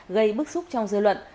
gây bức xúc trong dư luận